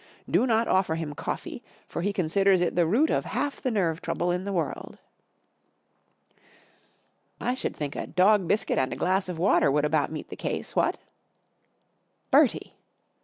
Do not offer him coffee, for he considers it the root of half the nerve trouble in the world." " I should think a dog biscuit and a glass of water would about meet the case, what ?"" Bertie